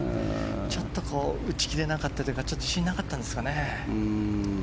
ちょっと打ち切れなかったというかちょっと自信がなかったんですかね。